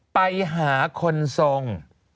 ไปหาคนทรง